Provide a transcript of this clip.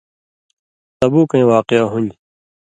تبُوکَیں واقعہ ہُوۡن٘دیۡ۔